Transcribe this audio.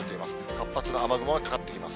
活発な雨雲がかかってきます。